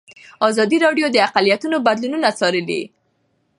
ازادي راډیو د اقلیتونه بدلونونه څارلي.